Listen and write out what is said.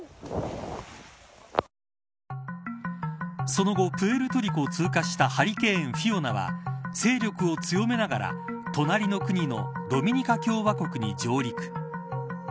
その後、プエルトリコを通過したハリケーン、フィオナは勢力を強めながら隣の国のドミニカ共和国に上陸。